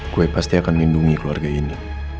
gue pasti akan lindungi keluarga ini